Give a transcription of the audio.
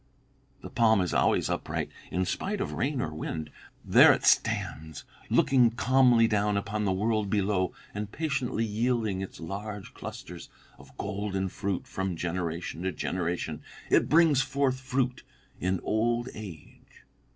The palm is always upright, in spite of rain or wind. 'There it stands, looking calmly down upon the world below, and patiently yielding its large clusters of golden fruit from generation to generation. It brings forth fruit in old age.'